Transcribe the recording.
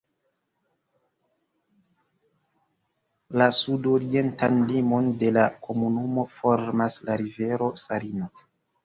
La sudorientan limon de la komunumo formas la rivero Sarino.